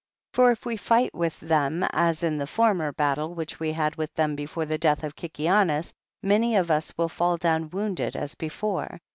8. For if we fight with them as in the former battle which we had with them before the death of Kikianus, many of us will fall down wounded as before.